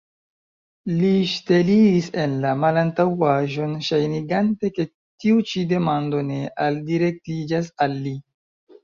Li ŝteliris en la malantaŭaĵon, ŝajnigante, ke tiu ĉi demando ne aldirektiĝas al li.